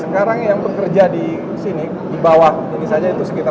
sekarang yang bekerja di sini di bawah ini saja itu sekitar